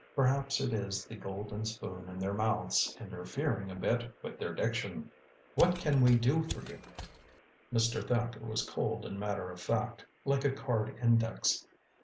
Perhaps it is the golden spoon in their mouths interfering a bit with their diction. "What can we do for you?" Mr. Thacker was cold and matter of fact, like a card index.